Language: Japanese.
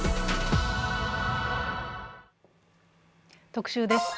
特集です。